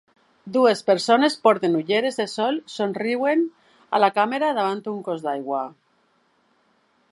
Dues persones porten ulleres de sol somriuen a la càmera davant d'un cos d'aigua.